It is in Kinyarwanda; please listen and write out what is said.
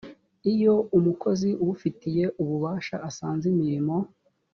iyo umukozi ubifitiye ububasha asanze imirimo